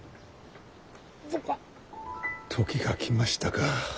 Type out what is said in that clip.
時が来ましたか。